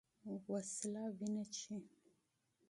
وسله وینه څښي